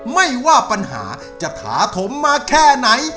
ไม่ว่าปัญหาจะถาถมมาแค่ไหน